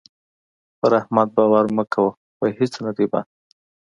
پر احمد باور مه کوه؛ په هيڅ نه دی بند.